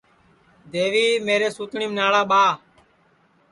دیوی میری سوتٹؔیم ناڑا ٻاہ